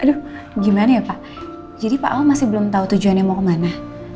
aduh gimana ya pak jadi pak al masih belum tahu tujuannya mau kemana